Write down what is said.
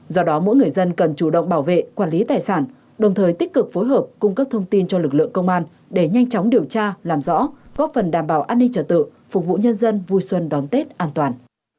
do đó mỗi người dân cần chủ động bảo vệ quản lý tài sản đồng thời tích cực phối hợp cung cấp thông tin cho lực lượng công an để nhanh chóng điều tra làm rõ góp phần đảm bảo an ninh trở tự phục vụ nhân dân vui xuân đón tết an toàn